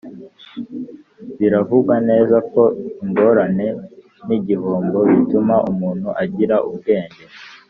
biravugwa neza ko ingorane nigihombo bituma umuntu agira ubwenge.